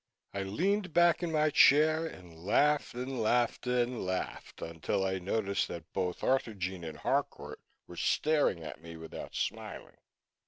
I leaned back in my chair and laughed and laughed and laughed until I noticed that both Arthurjean and Harcourt were staring at me without smiling.